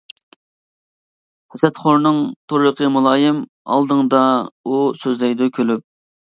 ھەسەتخورنىڭ تۇرىقى مۇلايىم، ئالدىڭدا ئۇ سۆزلەيدۇ كۈلۈپ.